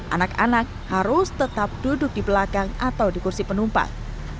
anak anak harus tetap duduk di belakang atau di kursi penumpang